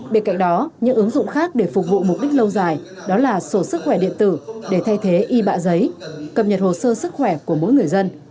bên cạnh đó những ứng dụng khác để phục vụ mục đích lâu dài đó là sổ sức khỏe điện tử để thay thế y bạ giấy cập nhật hồ sơ sức khỏe của mỗi người dân